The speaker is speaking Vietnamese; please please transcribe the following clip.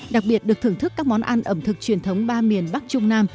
đặc biệt được thưởng thức các món ăn ẩm thực truyền thống ba miền bắc trung nam